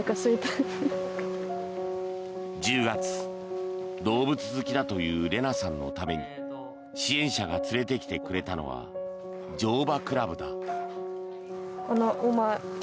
１０月、動物好きだというレナさんのために支援者が連れてきてくれたのは乗馬クラブだ。